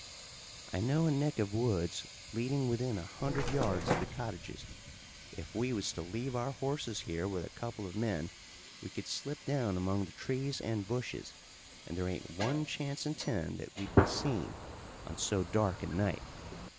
"I know a neck of woods leading within a hundred yards of the cottages. If we was to leave our horses here with a couple of men we could slip down among the trees and bushes, and there ain't one chance in ten that we'd be seen on so dark a night."